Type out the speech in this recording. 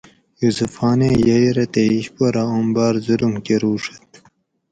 یوسف خانیں یئی رہ تے اِشپو رہ آم باۤر ظلم کۤروڛت